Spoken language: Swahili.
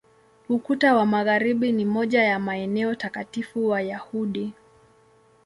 Ukuta wa Magharibi ni moja ya maeneo takatifu Wayahudi.